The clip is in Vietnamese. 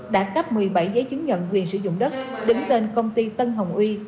đã cấp một mươi bảy giấy chứng nhận quyền sử dụng đất đứng tên công ty tân hồng uy